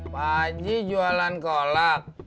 pak ji jualan kolak